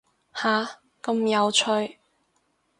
下，咁有趣